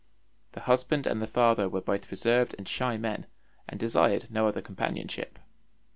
The husband and the father were both reserved and shy men, and desired no other companionship.